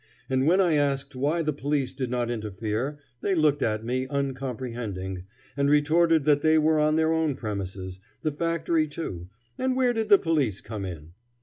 And when I asked why the police did not interfere, they looked at me, uncomprehending, and retorted that they were on their own premises the factory, too and where did the police come in?